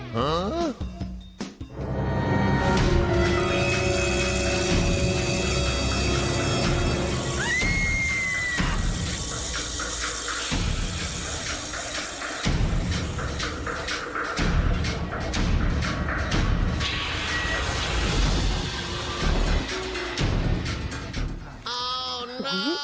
หื้อ